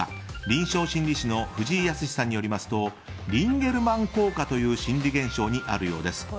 臨床心理士の藤井靖さんによりますとリンゲルマン効果という心理現象にあるようです。